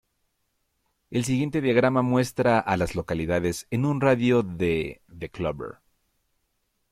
El siguiente diagrama muestra a las localidades en un radio de de Clover.